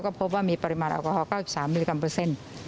ก็พบว่ามีปริมาณแอลกอฮอล๙๓มิลลิกรัมเปอร์เซ็นต์